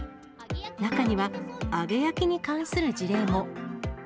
中には、揚げ焼きに関する事例も。